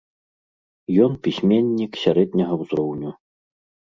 Ён пісьменнік сярэдняга ўзроўню.